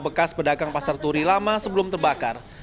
bekas pedagang pasar turi lama sebelum terbakar